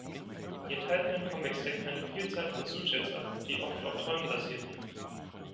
Die enthaltenen Comics deckten eine Vielzahl von Sujets ab, die oft auf Träumen basierten.